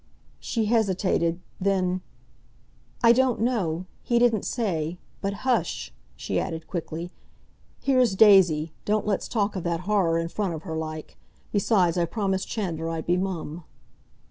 She hesitated, then: "I don't know. He didn't say. But hush!" she added quickly. "Here's Daisy! Don't let's talk of that horror in front of her like. Besides, I promised Chandler I'd be mum."